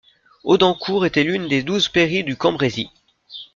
Audencourt était l'une des douze pairies du Cambrésis.